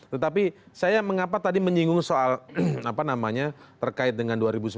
tetapi saya mengapa tadi menyinggung soal apa namanya terkait dengan dua ribu sembilan belas